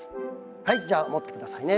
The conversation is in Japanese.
はいじゃあ持ってくださいね。